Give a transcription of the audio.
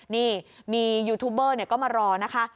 นี่มียูทูบเบอร์ก็มารอนะคะ